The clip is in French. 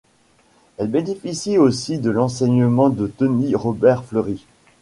Elle bénéficie aussi de l'enseignement de Tony Robert-Fleury.